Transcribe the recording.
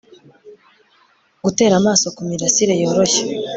gutera amaso kumirasire yoroshye